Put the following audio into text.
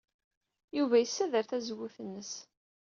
Yuba yessader tazewwut-nnes.